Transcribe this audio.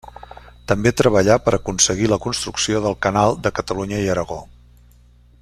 També treballà per aconseguir la construcció del Canal de Catalunya i Aragó.